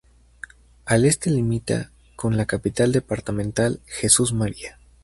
Al este limita con la capital departamental Jesús María.